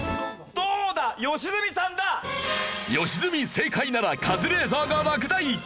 正解ならカズレーザーが落第！